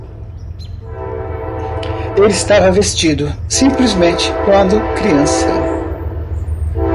Ele estava vestido, simplesmente, quando criança.